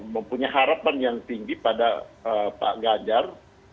mempunyai harapan yang tinggi pada pak ganjar